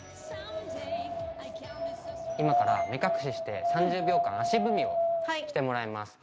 今から目隠しして３０秒間足踏みをしてもらいます。